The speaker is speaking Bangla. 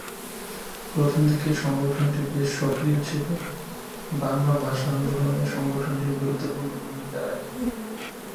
প্রথমদিকে সংগঠনটি বেশ সক্রিয় ছিল, বাংলা ভাষা আন্দোলনে সংগঠনটি গুরুত্বপূর্ণ ভূমিকা রাখে।